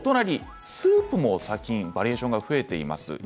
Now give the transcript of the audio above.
スープも最近バリエーションが増えています。